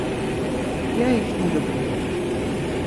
Я іх не люблю.